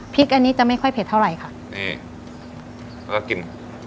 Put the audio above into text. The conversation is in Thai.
อันนี้จะไม่ค่อยเผ็ดเท่าไหร่ค่ะนี่แล้วก็กิน